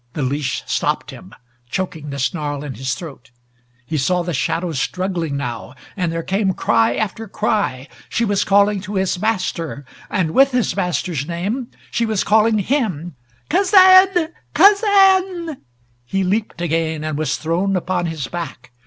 The leash stopped him, choking the snarl in his throat. He saw the shadows struggling now, and there came cry after cry. She was calling to his master, and with his master's name she was calling him! "Kazan Kazan " He leaped again, and was thrown upon his back.